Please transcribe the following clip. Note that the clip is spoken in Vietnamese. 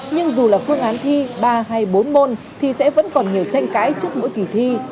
nhưng dù là phương án thi ba hay bốn môn thì sẽ vẫn còn nhiều tranh cãi trước mỗi kỳ thi